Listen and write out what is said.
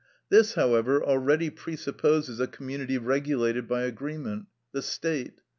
This, however, already presupposes a community regulated by agreement—the State.